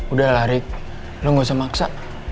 udah lah rick lo gak usah maksa